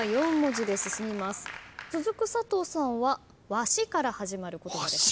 続く佐藤さんは「わし」から始まる言葉です。